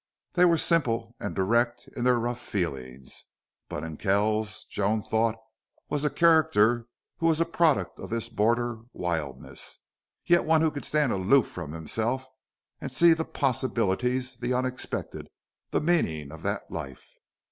They were simple and direct in their rough feelings. But in Kells, Joan thought, was a character who was a product of this border wildness, yet one who could stand aloof from himself and see the possibilities, the unexpected, the meaning of that life.